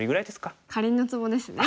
かりんのツボですね。